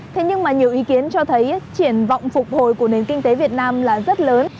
thế nhưng mà nhiều ý kiến cho thấy triển vọng phục hồi của nền kinh tế việt nam là rất lớn